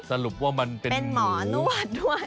สรุปว่ามันเป็นหมูเป็นหมอนวัดด้วย